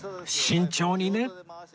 慎重にね